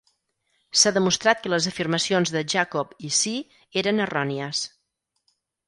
S'ha demostrat que les afirmacions de Jacob i See eren errònies.